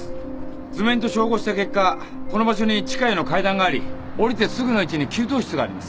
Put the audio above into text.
図面と照合した結果この場所に地下への階段があり下りてすぐの位置に給湯室があります。